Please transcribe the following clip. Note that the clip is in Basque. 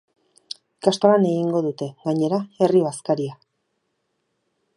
Ikastolan egingo dute, gainera, herri bazkaria.